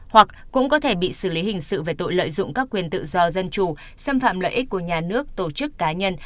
hoặc cũng có thể bị xử lý hình sự về tội lợi dụng các quyền tự do dân chủ xâm phạm lợi ích của nhà nước tổ chức cá nhân